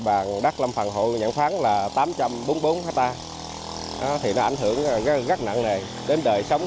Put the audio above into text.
bàn đắk lâm phần hộ nhận khoáng tám trăm bốn mươi bốn ha nó sẽ ảnh hưởng rất nặng nề đến đời sống